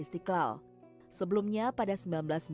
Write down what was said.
bukanlah kunjungan pertama pemimpin amerika serikat ke masjid